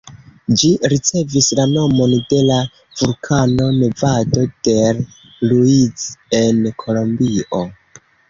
Ĝi ricevis la nomon de la vulkano Nevado del Ruiz en Kolombio.